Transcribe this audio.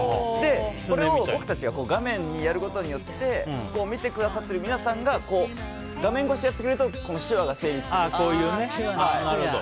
それを僕たちが画面でやることによって見てくださってる皆さんが画面越しにやってくれると手話が成立するっていう。